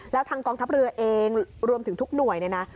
แล้วทางกองทัพเรือเองรวมถึงทุกหน่วยเนี่ยนะ